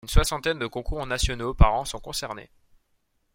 Une soixantaine de concours nationaux par an sont concernés.